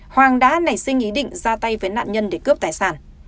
hoàng đã nảy sinh ý định ra tay với nạn nhân để cướp tài sản